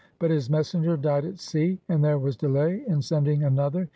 But his messenger died at sea, and there was delay in sending another.